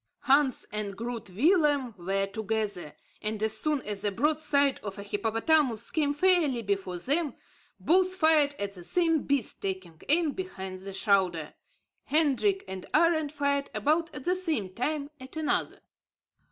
Hans and Groot Willem were together; and, as soon as the broad side of a hippopotamus came fairly before them, both fired at the same beast, taking aim behind the shoulder. Hendrik and Arend fired about at the same time at another.